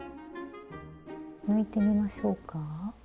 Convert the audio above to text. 抜いてみましょうか。